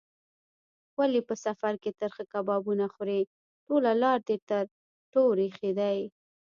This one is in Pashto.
ولې په سفر کې ترخه کبابونه خورې؟ ټوله لار دې ټر ټور ایښی دی.